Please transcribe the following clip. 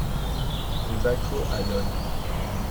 Rue Bacot à Lognes